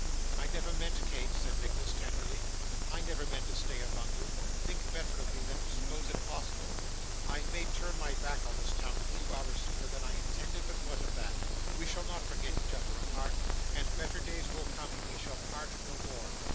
'I never meant, Kate,' said Nicholas, tenderly, 'I never meant to stay among you; think better of me than to suppose it possible. I may turn my back on this town a few hours sooner than I intended, but what of that? We shall not forget each other apart, and better days will come when we shall part no more.